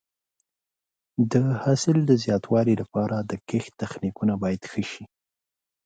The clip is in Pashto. د حاصل د زیاتوالي لپاره د کښت تخنیکونه باید ښه شي.